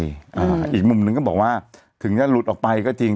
อ่าอีกมุมหนึ่งก็บอกว่าถึงจะหลุดออกไปก็จริง